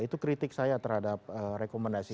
itu kritik saya terhadap rekomendasi